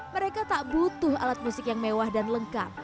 mereka tak butuh alat musik yang mewah dan lengkap